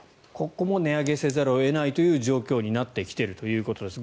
ここも値上げせざるを得ない状況になってきているということです。